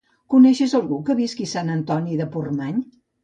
Coneixes algú que visqui a Sant Antoni de Portmany?